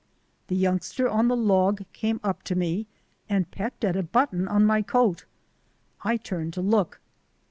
The youngster on the log came up to me and pecked at a button on my coat. I turned to look.